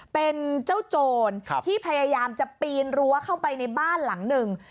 เป็นเจ้าโจรที่พยายามจะปีนรั้วเข้าไปในบ้านหลังหนึ่ง